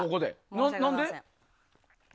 何で？